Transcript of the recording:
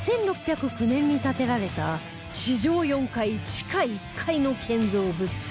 １６０９年に建てられた地上４階地下１階の建造物